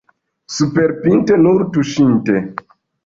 Superpinte — nur tuŝinte.